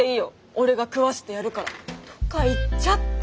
俺が食わせてやるから」とか言っちゃって。